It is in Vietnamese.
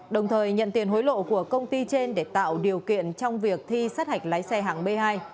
đồng thời nhận tiền hối lộ của công ty trên để tạo điều kiện trong việc thi sát hạch lái xe hạng b hai